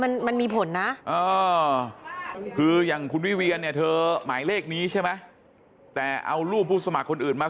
มันมันมีผลนะเออคืออย่างคุณวิเวียนเนี่ยเธอหมายเลขนี้ใช่ไหมแต่เอารูปผู้สมัครคนอื่นมา